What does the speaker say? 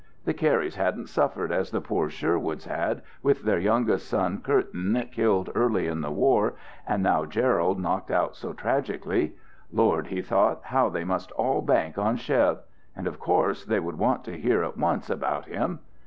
The Carys hadn't suffered as the poor Sherwoods had, with their youngest son, Curtin, killed early in the war, and now Gerald knocked out so tragically. Lord, he thought, how they must all bank on Chev! And of course they would want to hear at once about him.